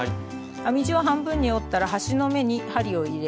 編み地を半分に折ったら端の目に針を入れ